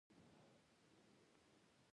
زنده ګي به يې روانه په سرور شي